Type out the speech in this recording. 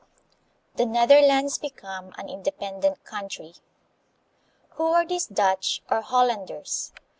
The Netherlands Become an Independent Country. Who were these Dutch, or Hollanders?